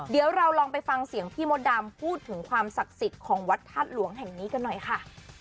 เดี๋ยวเราลองไปฟังเสียงพี่มดดำพูดถึงความศักดิ์สิทธิ์ของวัดธาตุหลวงแห่งนี้กันหน่อยค่ะ